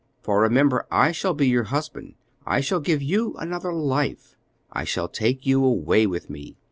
For, remember, I shall be your husband. I shall give you another life; I shall take you away with me.